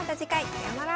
さようなら。